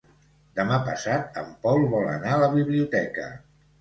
Demà passat en Pol vol anar a la biblioteca.